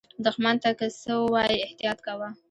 دښمن ته که څه ووایې، احتیاط کوه